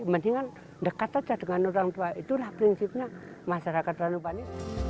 mendingan dekat saja dengan orang tua itulah prinsipnya masyarakat ranupani